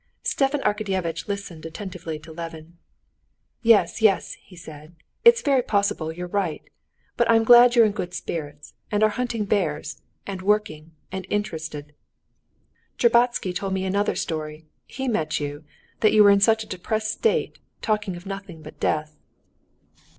Stepan Arkadyevitch listened attentively to Levin. "Yes, yes!" he said, "it's very possible you're right. But I'm glad you're in good spirits, and are hunting bears, and working, and interested. Shtcherbatsky told me another story—he met you—that you were in such a depressed state, talking of nothing but death...."